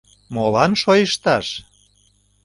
— Молан шойышташ?